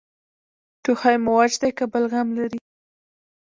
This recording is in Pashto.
ټوخی مو وچ دی که بلغم لري؟